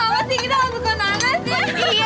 kok lama sih kita gak suka nanas ya